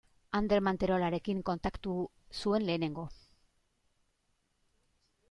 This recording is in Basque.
Ander Manterolarekin kontaktatu zuen lehenengo.